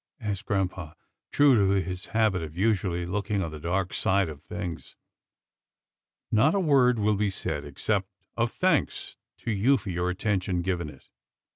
asked grampa, true to his habit of usually looking on the dark side of things. " Not a word will be said, except of thanks to you for attention given it.